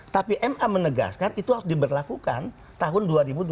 tapi ma menegaskan itu harus diberlakukan tahun dua ribu dua puluh